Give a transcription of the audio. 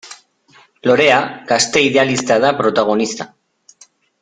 Lorea gazte idealista da protagonista.